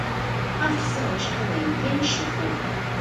二十四年升为焉耆府。